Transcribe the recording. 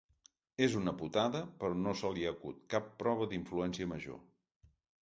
És una putada però no se li acut cap prova d'influència major.